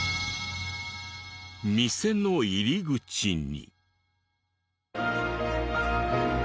店の入り口に。